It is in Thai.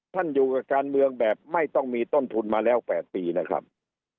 อยู่กับการเมืองแบบไม่ต้องมีต้นทุนมาแล้ว๘ปีนะครับ